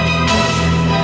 ibu ibu awas